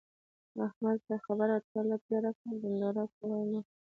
احمده! پر خبره تله تېره کړه ـ ډنډوره کوه يې مه.